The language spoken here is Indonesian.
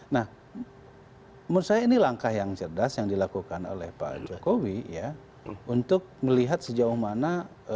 nah menurut saya ini langkah yang cerdas yang dilakukan oleh pak jokowi ya untuk melihat sejauh mana